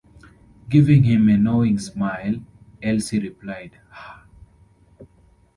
Giving him a knowing smile, Elsie replied: Ah!